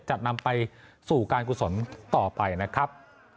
จะนำไปสู่การกุศลต่อไปนะครับ